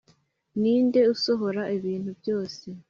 Ni nde usohora ibintu byose